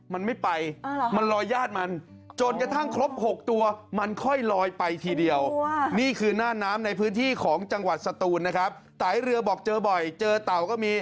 พอพี่น้องพระมงปล่อยตัวแรกไป